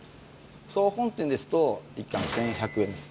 総本店ですと一貫１１００円です。